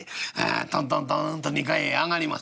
トントントンと２階へ上がります。